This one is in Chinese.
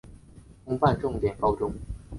公办重点高中大学国际学校